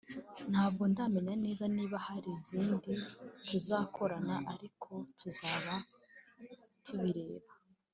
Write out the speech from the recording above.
ntabwo ndamenya neza niba hari izindi tuzakorana ariko tuzaba tubireba